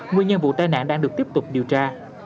nguyên nhân vụ tai nạn đang được tiếp tục điều tra